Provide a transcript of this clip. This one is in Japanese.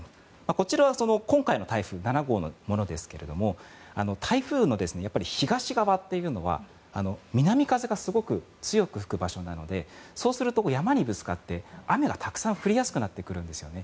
こちらは今回の台風７号のものですが台風の東側は南風がすごく強く吹く場所なのでそうすると山にぶつかって雨がたくさん降りやすくなってくるんですよね。